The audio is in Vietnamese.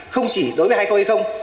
không chỉ đối với hay không